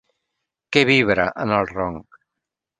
Què vibra en el ronc?